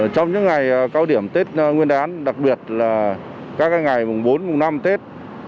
trong những ngày cao điểm tết nguyên đán đặc biệt là các ngày mùng bốn mùng năm tết